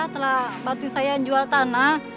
telah bantu saya jual tanah